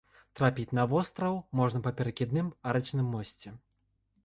Трапіць на востраў можна па перакідным арачным мосце.